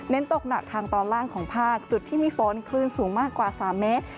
ตกหนักทางตอนล่างของภาคจุดที่มีฝนคลื่นสูงมากกว่า๓เมตร